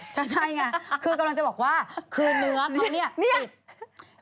ใช่ไงคือกำลังจะบอกว่าคือเนื้อเขาเนี่ย